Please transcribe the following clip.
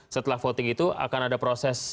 setelah voting itu akan ada proses